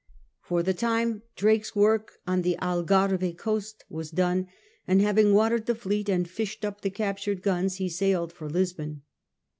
For the time Drake's work on the Algarve coast was done, and having watered the fleet and fished up the captured guns, he sailed for Lisbon.